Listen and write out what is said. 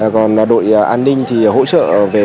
còn đội an ninh hỗ trợ